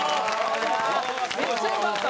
めっちゃよかった！